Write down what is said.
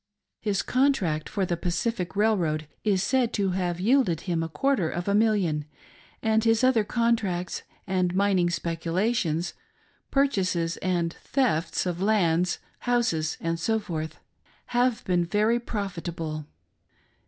His contract for the Pacific Railroad is said to have yielded him a quarter of a million, and his other contracts and mining speculations, purchases and thefts of lands, houses, &c., have been very profitable.